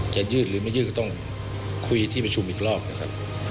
ยืดหรือไม่ยืดก็ต้องคุยที่ประชุมอีกรอบนะครับ